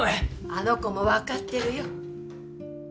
あの子も分かってるよ